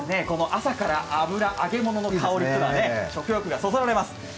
朝から油の香りというのは食欲がそそられます。